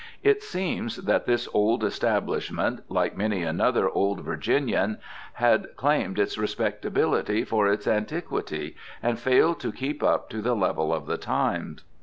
It seems that this old establishment, like many another old Virginian, had claimed its respectability for its antiquity, and failed to keep up to the level of the time.